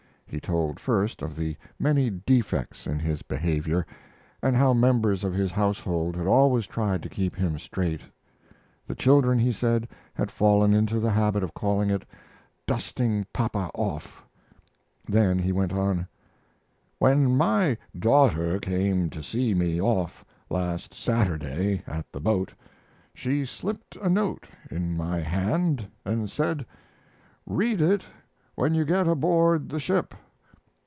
He told first of the many defects in his behavior, and how members of his household had always tried to keep him straight. The children, he said, had fallen into the habit of calling it "dusting papa off." Then he went on: When my daughter came to see me off last Saturday at the boat she slipped a note in my hand and said, "Read it when you get aboard the ship."